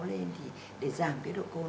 nên thì để giảm cái độ cồn